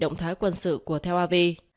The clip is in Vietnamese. động thái quân sự của theo avi